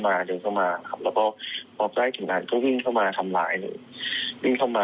ความแรงจากนั้นเขาก็ประจำจะปาดคอผม